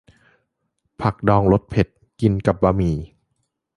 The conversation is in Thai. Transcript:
ผักดองรสเผ็ด กินกับบะหมี่